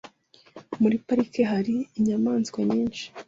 Muri parike hari inyamaswa nyinshi.